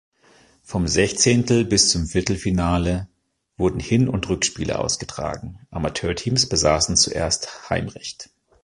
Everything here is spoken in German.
Vom Sechzehntel- bis zum Viertelfinale wurden Hin- und Rückspiele ausgetragen; Amateurteams besaßen zuerst Heimrecht.